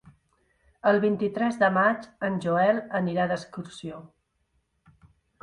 El vint-i-tres de maig en Joel anirà d'excursió.